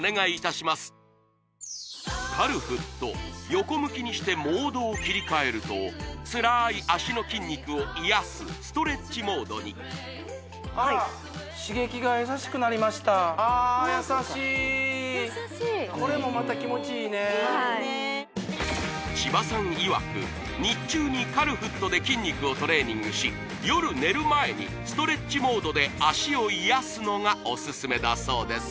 横向きにしてモードを切り替えるとつらい脚の筋肉を癒やすストレッチモードにあらあ優しい優しいこれもまた気持ちいいねいいですね千葉さんいわく日中にカルフットで筋肉をトレーニングし夜寝る前にストレッチモードで脚を癒やすのがオススメだそうです